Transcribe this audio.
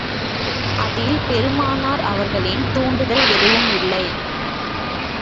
அதில் பெருமானார் அவர்களின் தூண்டுதல் எதுவும் இல்லை.